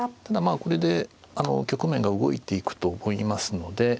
ただこれで局面が動いていくと思いますので。